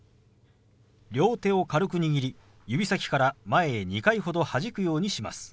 両手を軽く握り指先から前へ２回ほどはじくようにします。